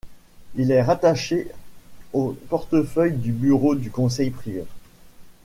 Il est rattaché au portefeuille du Bureau du Conseil privé.